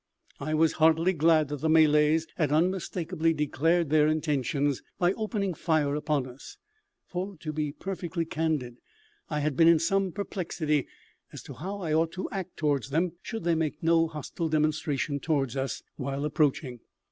I was heartily glad that the Malays had unmistakably declared their intentions by opening fire upon us, for, to be perfectly candid, I had been in some perplexity as to how I ought to act towards them, should they make no hostile demonstration towards us while approaching.